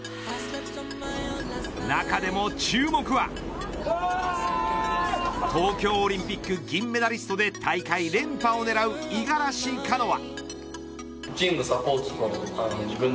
中でも注目は東京オリンピック銀メダリストで大会連覇を狙う五十嵐カノア。